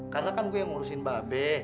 karena kan gue yang ngurusin babe